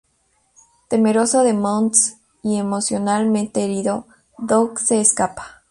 Temeroso de Muntz y emocionalmente herido, Dug se escapa.